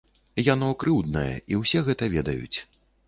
Яно крыўднае, і ўсе гэта ведаюць.